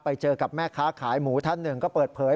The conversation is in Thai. ไปเจอกับแม่ค้าขายหมูท่านหนึ่งก็เปิดเผย